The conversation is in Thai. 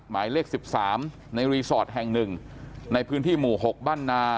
หมายเลขสิบสามในรีสอร์ทแห่งหนึ่งในพื้นที่หมู่หกบ้านนา